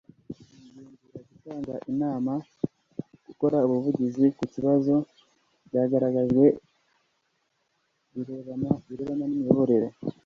n'igenzura, gutanga inama no gukora ubuvugizi ku bibazo byagaragajwe birebana n'imiyoborere